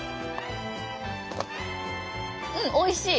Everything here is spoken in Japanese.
うんおいしい。